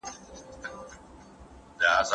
هیلې په المارۍ کې خپل یادونه خوندي کړل.